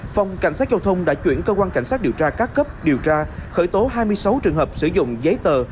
phòng cảnh sát giao thông đã chuyển cơ quan cảnh sát điều tra các cấp điều tra khởi tố hai mươi sáu trường hợp sử dụng giấy tờ